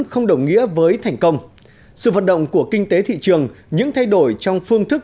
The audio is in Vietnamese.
không đồng nghĩa với thành công sự vận động của kinh tế thị trường những thay đổi trong phương thức